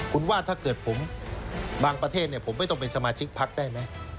คุณว่าถ้าเกิดผมบางประเทศผมไม่ต้องเป็นสมาชิกพักได้ไหม